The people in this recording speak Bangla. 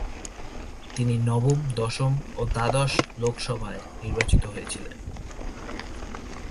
তিনি নবম, দশম এবং দ্বাদশ লোকসভায় নির্বাচিত হয়েছিলেন।